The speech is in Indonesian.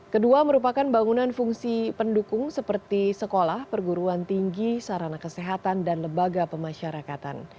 kedua merupakan bangunan fungsi pendukung seperti sekolah perguruan tinggi sarana kesehatan dan lembaga pemasyarakatan